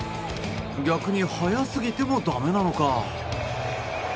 逆に早すぎてもだめなのか。